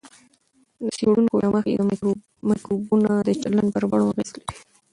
د څېړونکو له مخې، مایکروبونه د چلند پر بڼو اغېز لري.